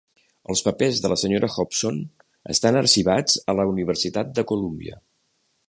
Els papers de la senyora Hobson estan arxivats a la Universitat de Columbia.